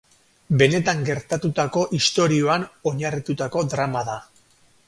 Benetan gertatutako istorioan oinarritutako drama da.